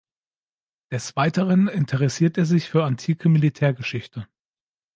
Des Weiteren interessiert er sich für antike Militärgeschichte.